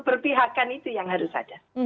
perpihakan itu yang harus ada